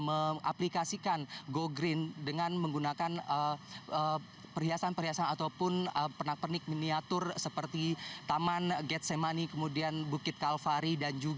memasuki dengan perhiasan perhiasan atau pun penak penik miniatur seperti taman getsemani kemudian bukit kalvari